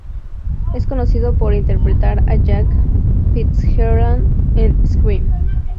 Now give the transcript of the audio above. Es conocido por interpretar a Jake Fitzgerald en "Scream".